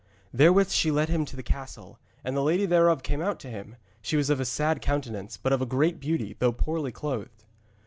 Therewith she led him to the castle, and the lady thereof came out to him. She was of a sad countenance, but of a great beauty, though poorly clothed.